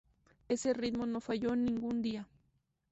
Ese ritmo no falló ningún día.